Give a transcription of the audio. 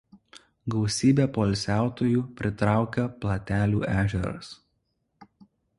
Gausybę poilsiautojų pritraukia Platelių ežeras.